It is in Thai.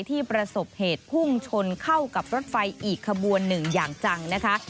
ประสบเหตุพุ่งชนเข้ากับรถไฟอีกขบวนหนึ่งอย่างจังนะคะ